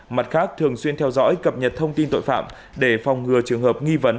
mặt khác thường xuyên theo dõi cập nhật thông tin tội phạm để phòng ngừa trường hợp nghi vấn